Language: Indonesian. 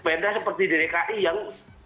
perda seperti dki yang